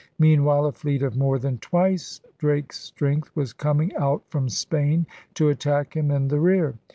Mean while a fleet of more than twice Drake's strength was coming out from Spain to attack him in the rear.